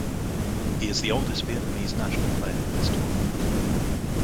He is the oldest Vietnamese national player at this tournament.